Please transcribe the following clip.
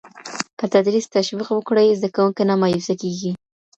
که تدریس تشویق وکړي، زده کوونکی نه مایوسه کېږي.